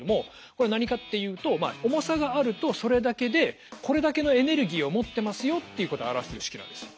これ何かっていうと重さがあるとそれだけでこれだけのエネルギーを持ってますよっていうことを表してる式なんです。